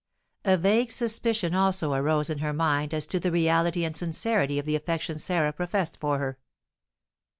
A vague suspicion also arose in her mind as to the reality and sincerity of the affection Sarah professed for her.